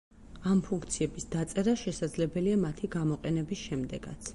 ამ ფუნქციების დაწერა შესაძლებელია მათი გამოყენების შემდეგაც.